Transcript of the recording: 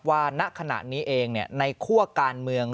ณขณะนี้เองในคั่วการเมือง